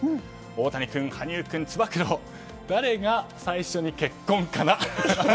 大谷君、羽生君つば九郎、誰が最初に結婚かな？